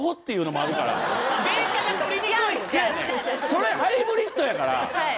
それハイブリッドやから。